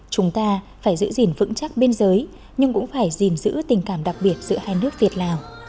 chúng ta phải giữ gìn vững chắc biên giới nhưng cũng phải gìn giữ tình cảm đặc biệt giữa hai nước việt lào